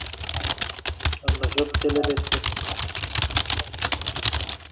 অন্যসব ছেলেদের থেকে।